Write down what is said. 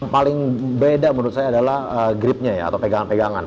paling beda menurut saya adalah gripnya ya atau pegangan pegangan